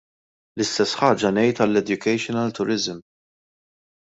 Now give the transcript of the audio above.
L-istess ħaġa ngħid għall-educational tourism.